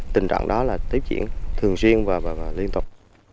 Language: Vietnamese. tình trạng đó là tiếp diễn thường xuyên và liên tục